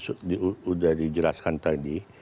sudah dijelaskan tadi